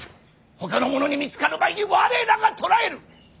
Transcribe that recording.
ほかの者に見つかる前に我らが捕らえる！